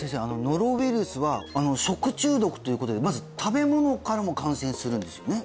ノロウイルスは食中毒ということでまず食べ物からも感染するんですよね？